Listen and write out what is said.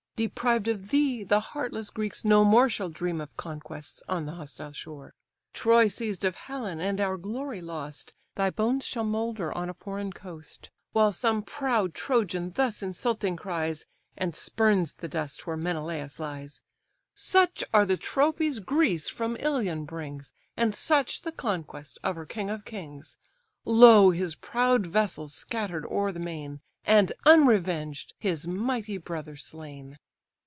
Deprived of thee, the heartless Greeks no more Shall dream of conquests on the hostile shore; Troy seized of Helen, and our glory lost, Thy bones shall moulder on a foreign coast; While some proud Trojan thus insulting cries, (And spurns the dust where Menelaus lies,) 'Such are the trophies Greece from Ilion brings, And such the conquest of her king of kings! Lo his proud vessels scatter'd o'er the main, And unrevenged, his mighty brother slain.